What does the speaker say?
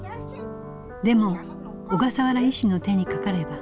でも小笠原医師の手にかかれば。